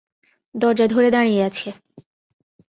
দরজা ধরে দাঁড়িয়ে আছে।